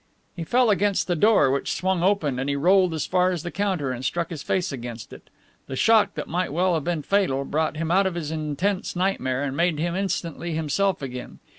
He fell against the door, which swung open, and he rolled as far as the counter, and struck his face against it. The shock, that might well have been fatal, brought him out of his intense nightmare and made him instantly himself again.